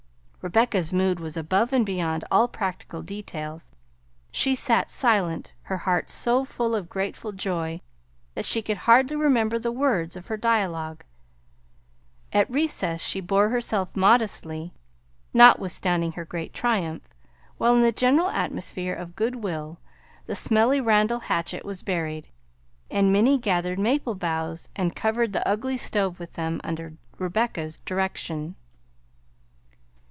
Rebecca's mood was above and beyond all practical details. She sat silent, her heart so full of grateful joy that she could hardly remember the words of her dialogue. At recess she bore herself modestly, notwithstanding her great triumph, while in the general atmosphere of good will the Smellie Randall hatchet was buried and Minnie gathered maple boughs and covered the ugly stove with them, under Rebecca's direction.